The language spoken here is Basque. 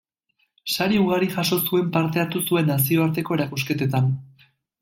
Sari ugari jaso zuen parte hartu zuen nazioarteko erakusketetan.